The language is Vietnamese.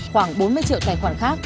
khoảng bốn mươi triệu tài khoản khác